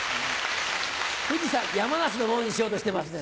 富士山山梨のものにしようとしてますね。